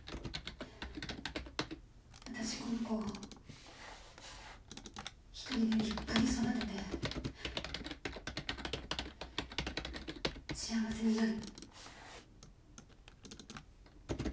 私この子を１人で立派に育てて幸せになる。